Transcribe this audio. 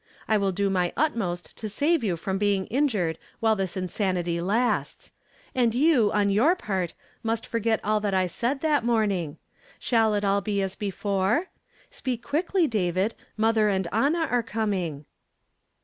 I will do my utmost to save you from being injured while tliis insanitv lasts; and you, on your part, must forget all tha't i said that morning. Shall it all be as before > Speak quickly, David, mother and Anna are com ' ing."